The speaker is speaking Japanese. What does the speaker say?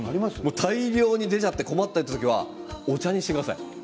大量に出ちゃって困った時はお茶にしてください。